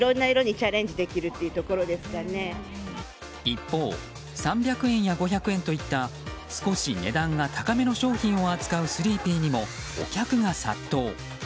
一方、３００円や５００円といった少し値段が高めな商品を扱うスリーピーにもお客が殺到。